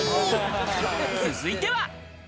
続いては。